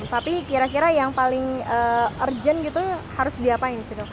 tapi kira kira yang paling urgent itu harus diapain